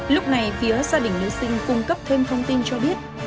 lúc này phía gia đình nữ sinh cung cấp thêm thông tin cho biết